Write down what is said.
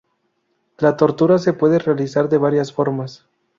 La tortura se puede realizar de varias formas.